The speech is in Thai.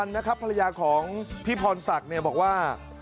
นะครับภรรยาของพี่พรศักดิ์บอกว่า